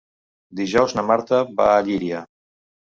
Dijous na Marta va a Llíria.